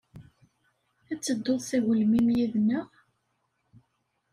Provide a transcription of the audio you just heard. Ad tedduḍ s agelmim yid-nneɣ?